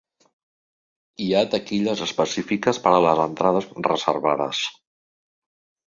Hi ha taquilles específiques per a les entrades reservades.